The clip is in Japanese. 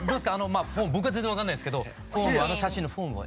まあ僕は全然分かんないですけどあの写真のフォームは？